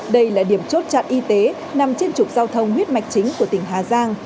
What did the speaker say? đây là điểm chốt chặn y tế nằm trên trục giao thông huyết mạch chính của tỉnh hà giang